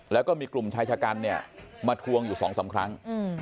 แล้วก็มีกลุ่มชายชะกันเนี่ยมาทวงอยู่๒๓ครั้ง